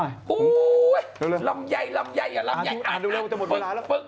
อ่านดูกำลังจะหมดเวลาแล้ว